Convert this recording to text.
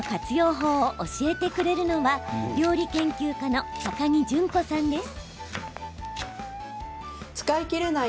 法を教えてくれるのは料理研究家の高城順子さんです。